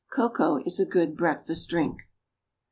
Cocoa is a good breakfast drink.